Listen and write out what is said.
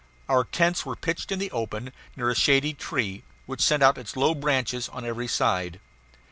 Our tents were pitched in the open, near a shady tree, which sent out its low branches on every side.